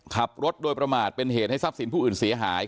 ขับรถโดยประมาทเป็นเหตุให้ทรัพย์สินผู้อื่นเสียหาย